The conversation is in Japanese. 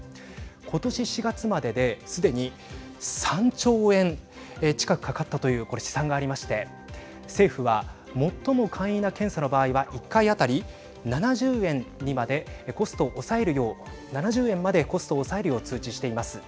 ことし４月までで、すでに３兆円近くかかったというこれ、試算がありまして政府は最も簡易な検査の場合は１回当たり７０円までコストを抑えるよう通知しています。